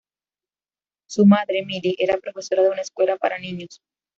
Su madre, Millie, era profesora de una escuela para niños.